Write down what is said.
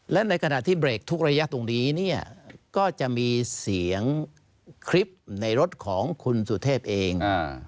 และในขณะที่เบรกทุกระยะตรงนี้เนี่ยก็จะมีเสียงคลิปในรถของคุณสุเทพเอง